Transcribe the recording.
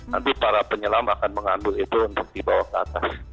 nanti para penyelam akan mengambil itu untuk dibawa ke atas